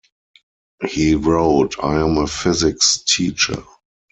He wrote: I am a physics teacher.